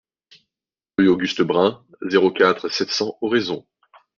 Rue Auguste Brun, zéro quatre, sept cents Oraison